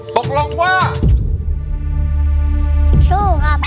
สู้ครับ